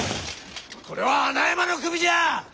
これは穴山の首じゃ！